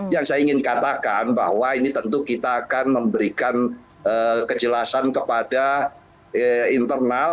yang saya ingin katakan bahwa ini tentu kita akan memberikan kejelasan kepada internal